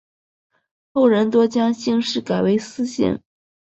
后人多将姓氏改为司姓。